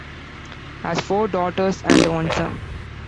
Has four daughters and one son.